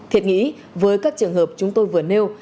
thiệt nghĩ với các trường hợp chúng tôi vừa nêu